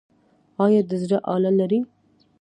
ایا د زړه آله لرئ؟